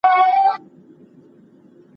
پر مځکي باندې نن غرمه ډېر ګرم لمر لګېدی.